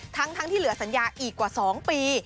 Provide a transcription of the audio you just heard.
ทั้งที่เหลือสัญญาอีกกว่า๒ปี